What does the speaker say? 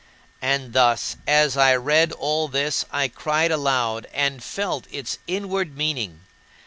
And thus as I read all this, I cried aloud and felt its inward meaning.